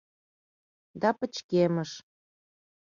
Да пычкемыш.